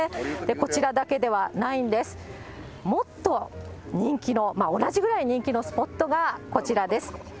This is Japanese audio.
こちらだけではないんです、もっと人気の、同じぐらい人気のスポットがこちらです。